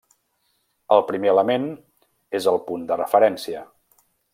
El primer element és el punt de referència.